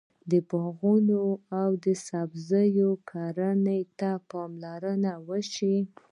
باغواني او د سبزۍ کرنې ته پاملرنه وشوه.